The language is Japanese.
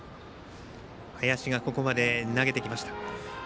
林がここまで投げてきました。